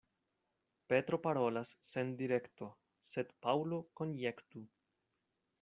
Petro parolas sen direkto, sed Paŭlo konjektu.